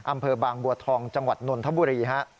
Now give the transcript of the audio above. อำเภอบางบัวทองจังหวัดนนทบุรีฮะ